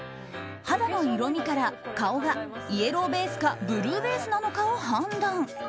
肌の色味から顔がイエローベースかブルーベースなのかを判断。